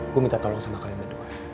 aku minta tolong sama kalian berdua